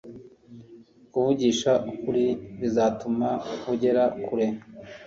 kuvugisha ukuri bizatuma ugera kure